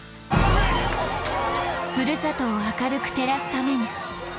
ふるさとを明るく照らすために。